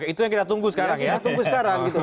itu yang kita tunggu sekarang ya